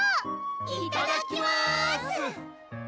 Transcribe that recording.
いただきます